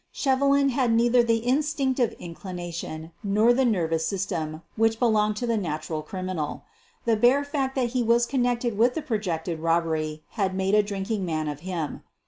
Shevelin had neither the instinc tive inclination nor the nervous system which be long to the natural criminal. The bare fact that he was connected with the projected robbery had made a drinking man of him.